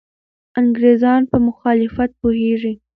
انګریزان په مخالفت پوهېږي.